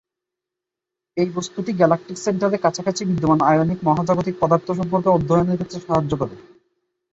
এই বস্তুটি গ্যালাকটিক সেন্টারের কাছাকাছি বিদ্যমান আয়নিক মহাজাগতিক পদার্থ সম্পর্কে অধ্যয়নের ক্ষেত্রে সাহায্য করে।